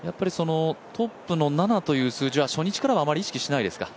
トップの７という数字は初日からはあまり意識していないですか。